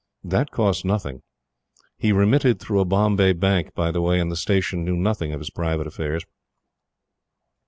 That cost nothing. He remitted through a Bombay Bank, by the way, and the Station knew nothing of his private affairs.